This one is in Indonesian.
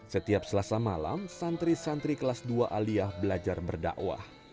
setiap selasa malam santri santri kelas dua aliyah belajar berdakwah